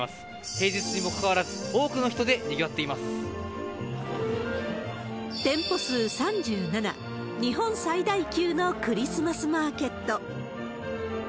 平日にもかかわらず、店舗数３７、日本最大級のクリスマスマーケット。